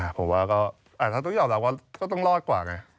ผมว่าก็ถ้าต้องยอมรับว่าก็ต้องรอดกว่าไง